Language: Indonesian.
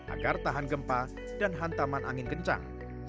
agar tahan gempa dan hantaman angin kencang